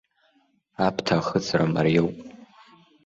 Аԥҭа ахыҵра мариоуп.